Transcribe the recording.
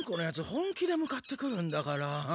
本気で向かってくるんだから。